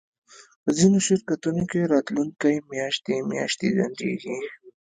په ځینو شرکتونو کې راتلونکی میاشتې میاشتې ځنډیږي